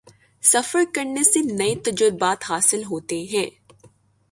سفر کرنے سے نئے تجربات حاصل ہوتے ہیں